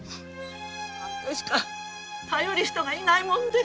あんたしか頼る人がいないもんで。